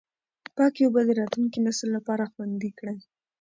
پاکې اوبه د راتلونکي نسل لپاره خوندي کړئ.